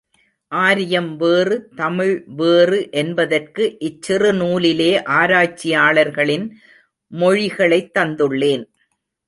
ஆரியம் வேறு தமிழ் வேறு என்பதற்கு இச்சிறு நூலிலே ஆராய்ச்சியாளர்களின் மொழிகளைத் தந்துள்ளேன்.